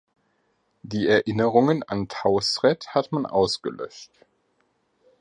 Die Erinnerungen an Tausret hat man ausgelöscht.